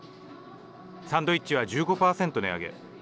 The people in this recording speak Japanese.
サンドイッチは１５％値上げ。